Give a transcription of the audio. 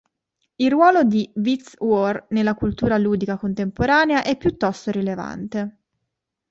Il ruolo di Wiz-War nella cultura ludica contemporanea è piuttosto rilevante.